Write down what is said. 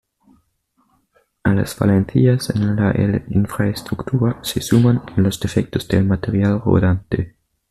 A las falencias en la infraestructura, se suman los defectos del material rodante.